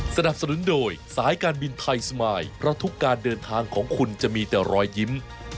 สนับสนุนโดยสายการบินไทยสมายเพราะทุกการเดินทางของคุณจะมีแต่รอยยิ้ม